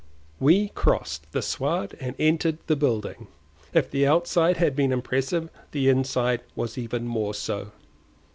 We crossed the sward and entered the building. If the outside had been impressive the inside was even more so.